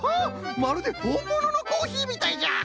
まるでほんもののコーヒーみたいじゃ！